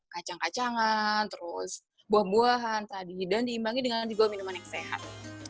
kacang kacangan terus buah buahan tadi dan diimbangi dengan juga minuman yang sehat